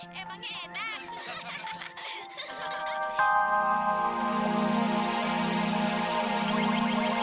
jadi berarti terima kasih mak